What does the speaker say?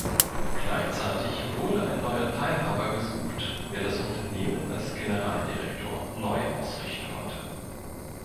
Gleichzeitig wurde ein neuer Teilhaber gesucht, der das Unternehmen als Generaldirektor neu ausrichten konnte.